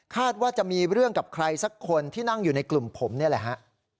ว่าจะมีเรื่องกับใครสักคนที่นั่งอยู่ในกลุ่มผมนี่แหละฮะ